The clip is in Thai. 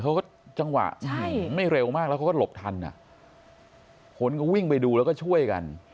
จังหวะไม่เร็วมากแล้วเขาก็หลบทันอ่ะคนก็วิ่งไปดูแล้วก็ช่วยกัน